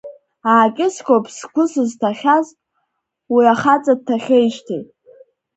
Аакьыскьоуп сгәы зысҭахьаз уи ахаҵа дҭахеижьҭеи!